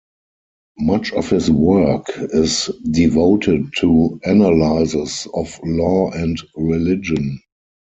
Much of his work is devoted to analysis of law and religion.